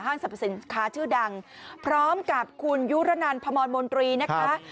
ห้างสรรพสินค้าชื่อดังพร้อมกับคุณยุฤนันพมมนะคะ